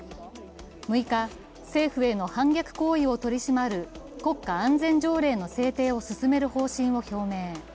６日、政府への反逆行為を取り締まる国家安全条例の制定を進める方針を表明。